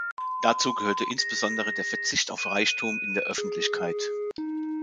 Dazu gehörte insbesondere der Verzicht auf Reichtum in der Öffentlichkeit.